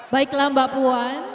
baiklah mbak puan